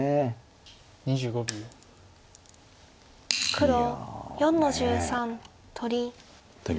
黒４の十三取り。